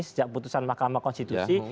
sejak putusan mahkamah konstitusi